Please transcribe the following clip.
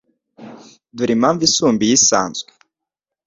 Dore Impamvu isumba iyisanzwe